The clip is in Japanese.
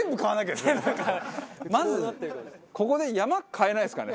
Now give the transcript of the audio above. まずここで山買えないですかね？